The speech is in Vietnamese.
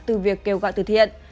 từ việc kêu gọi từ thiện